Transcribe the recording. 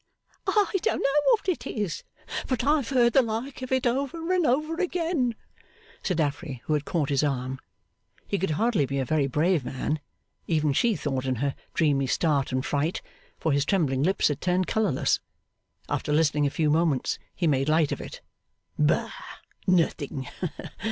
'I don't know what it is, but I've heard the like of it over and over again,' said Affery, who had caught his arm. He could hardly be a very brave man, even she thought in her dreamy start and fright, for his trembling lips had turned colourless. After listening a few moments, he made light of it. 'Bah! Nothing!